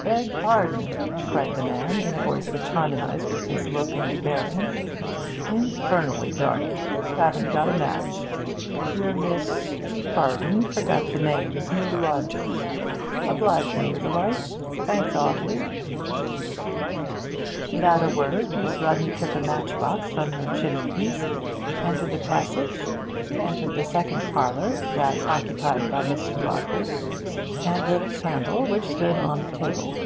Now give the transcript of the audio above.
'Beg pardon,' cried the man, in a voice which harmonised with his look and bearing. 'Infernally dark here; haven't got a match. You're Miss pardon forgotten the name new lodger. Oblige me with a light? Thanks awfully.' Without a word Miss Rodney took a match box from her chimney piece, entered the passage, entered the second parlour that occupied by Mr. Rawcliffe and lit a candle which stood on the table.